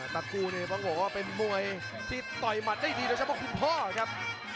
ตะกูนี่ต้องบอกว่าเป็นมวยที่ต่อยหมัดได้ดีโดยเฉพาะคุณพ่อครับ